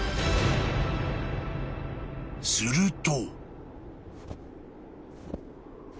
［すると］